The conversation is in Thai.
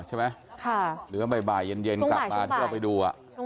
หรือว่าบ่ายเย็นกลับมาที่เราไปดู